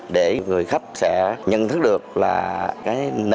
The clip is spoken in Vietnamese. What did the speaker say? để người khách sẽ nhận thức được là cái nông nghiệp này là một cái nông nghiệp